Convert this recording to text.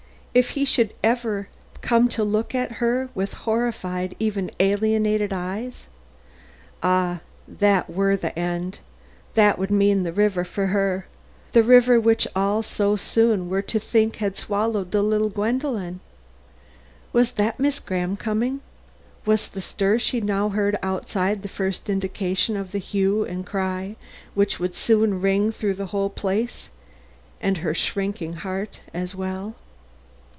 If he should ever come to look at her with horrified, even alienated eyes! Ah, that were the end that would mean the river for her the river which all were so soon to think had swallowed the little Gwendolen. Was that Miss Graham coming? Was the stir she now heard outside, the first indication of the hue and cry which would soon ring through the whole place and her shrinking heart as well?